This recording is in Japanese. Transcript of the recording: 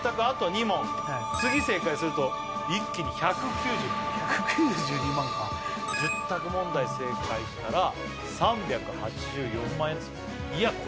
あと２問次正解すると一気に１９２１９２万か１０択問題正解したら３８４万円ですよいや